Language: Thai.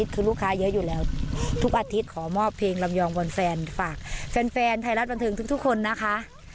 คือลูกค้าเยอะอยู่แล้วทุกอาทิตย์ขอมอบเพลงลำยองวันแฟนฝากแฟนไทยรัฐบันเทิงทุกคนนะคะ